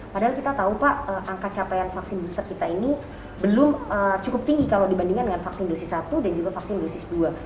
padahal kita tahu pak angka capaian vaksin booster kita ini belum cukup tinggi kalau dibandingkan dengan vaksin dosis satu dan juga vaksin dosis dua